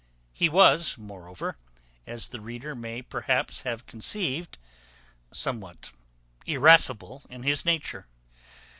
He was moreover, as the reader may perhaps have conceived, somewhat irascible in his nature.